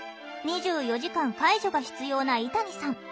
２４時間介助が必要な井谷さん。